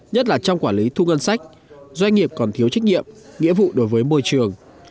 nhất là trong quản lý thu ngân sách doanh nghiệp còn thiếu trách nhiệm nghĩa vụ đối với môi trường